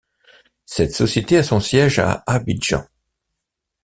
Cette société a son siège à Abidjan.